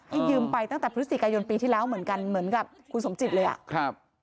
ยืมไปตั้งแต่พฤศจิกายนปีที่แล้วเหมือนกันเหมือนกับคุณสมจิตเลยอ่ะครับ